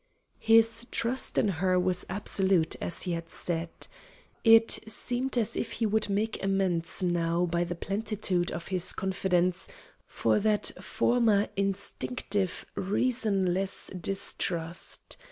His trust in her was absolute, as he had said. It seemed as if he would make amends now by the plenitude of his confidence, for that former instinctive, reasonless distrust.